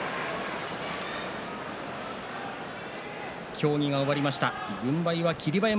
協議が終わりました。